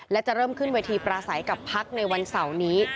และจะเริ่มขึ้นเวทีปราศัยกับพักในวันเสาร์นี้